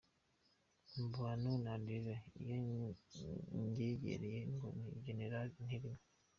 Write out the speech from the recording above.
Mu bantu naririra iyo ngegera ngo ni generali ntirimo.